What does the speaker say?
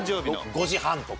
５時半とか。